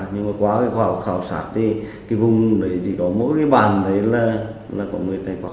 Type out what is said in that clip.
nhưng mà qua khảo sát thì cái vùng đấy thì có mỗi cái bàn đấy là có người tây vọng